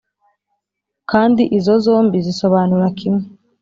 kandi izo nzozi zombi zisobanura kimwe